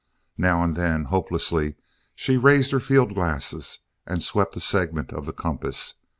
Now and then, hopelessly, she raised her field glasses and swept a segment of the compass.